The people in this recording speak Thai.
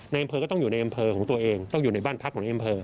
อำเภอก็ต้องอยู่ในอำเภอของตัวเองต้องอยู่ในบ้านพักของในอำเภอ